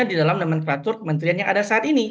di dalam nomenklatur kementerian yang ada saat ini